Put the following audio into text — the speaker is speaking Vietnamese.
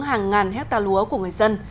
hàng ngàn hecta lúa của người dân